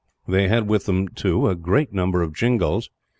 They had with them, too, a great number of jingals.